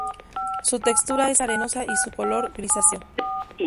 Su textura es arenosa y su color grisáceo.